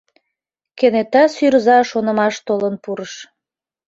Кенета сӱрза шонымаш толын пурыш.